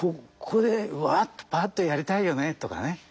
ここでうわっとぱっとやりたいよねとかね